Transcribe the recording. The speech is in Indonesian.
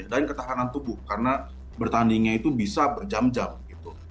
dan ketahanan tubuh karena bertandingnya itu bisa berjam jam gitu